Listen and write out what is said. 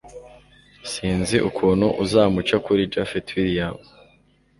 sinzi ukuntu uzamuca kuri japhet william